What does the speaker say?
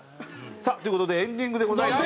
さあという事でエンディングでございます。